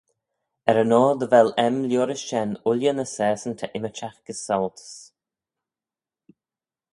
Er-yn-oyr dy vel aym liorish shen ooilley ny saaseyn ta ymmyrçhagh gys saualtys.